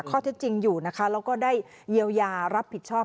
ข้อเท็จจริงอยู่นะคะแล้วก็ได้เยียวยารับผิดชอบ